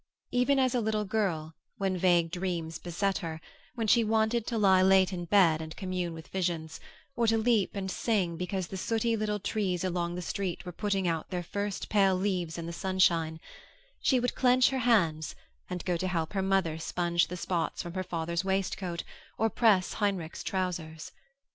Even as a little girl, when vague dreams beset her, when she wanted to lie late in bed and commune with visions, or to leap and sing because the sooty little trees along the street were putting out their first pale leaves in the sunshine, she would clench her hands and go to help her mother sponge the spots from her father's waistcoat or press Heinrich's trousers.